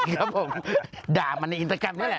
ครับผมด่ามันในอินสตาแกรมนี่แหละ